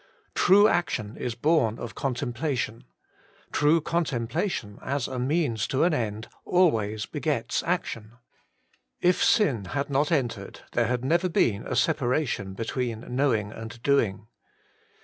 True action is born of contemplation. True contempla tion, as a means to an end, always begets action. If sin had not entered there had never been a separation between knowing and doing.